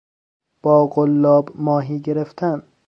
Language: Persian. با قلاب ماهی گرفتن